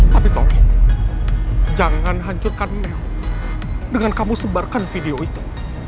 tapi tolong jangan hancurkan mel dengan kamu sebarkan video itu